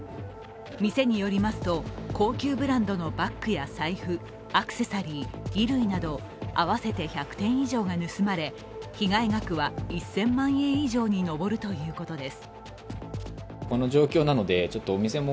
店によりますと、高級ブランドのバッグや財布、アクセサリー、衣類など合わせて１００点以上が盗まれ被害額は１０００万円以上に上るということです。